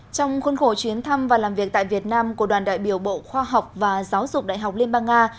trong khuôn khổ chuyến thăm và làm việc tại việt nam của đoàn đại biểu bộ khoa học và giáo dục đại học liên bang nga